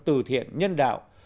từ thiện nhân đạo